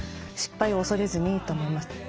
「失敗を恐れずに」と思います。